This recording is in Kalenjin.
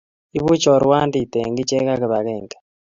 Ibu chorwandit eng' ichek ak kibagenge